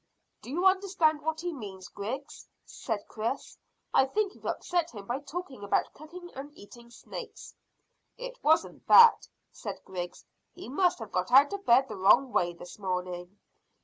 "Do you understand what he means, Griggs?" said Chris. "I think you've upset him by talking about cooking and eating snake." "It wasn't that," said Griggs. "He must have got out of bed the wrong way this morning."